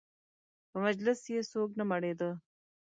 په مجلس یې څوک نه مړېده.